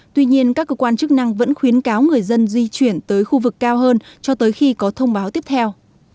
tuy nhiên các cơ quan chức năng vẫn khuyến cáo người dân di chuyển tới khu vực cao hơn cho tới khi có thông báo tiếp theo